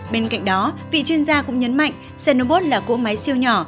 bên cạnh đó vị chuyên gia cũng nhấn mạnh xenbot là cỗ máy siêu nhỏ